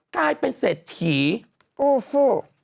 กลายเป็นเศรษฐีอูฟู